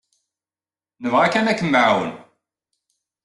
Nebɣa kan ad kem-nɛawen.